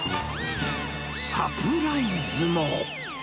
サプライズも。